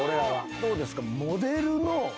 どうですか？